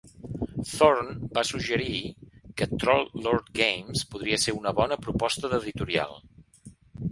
Thorne va suggerir que Troll Lord Games podria ser una bona proposta d'editorial.